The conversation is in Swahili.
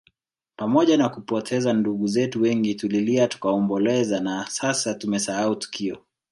Pamoja na kupoteza ndugu zetu wengi tulilia tukaomboleza na sasa tumesahau tukio